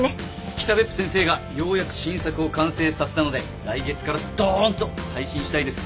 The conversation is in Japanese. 北別府先生がようやく新作を完成させたので来月からドーンと配信したいです。